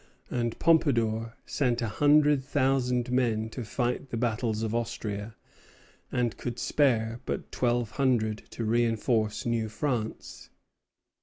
and Pompadour sent a hundred thousand men to fight the battles of Austria, and could spare but twelve hundred to reinforce New France.